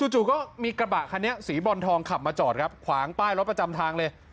จู่ก็มีกระบะคันนี้สีบอลทองขับมาจอดครับขวางป้ายรถประจำทางเลย